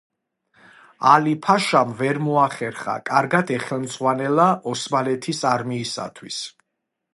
ალი-ფაშამ ვერ მოახერხა კარგად ეხელმძღვანელა ოსმალეთის არმიისათვის.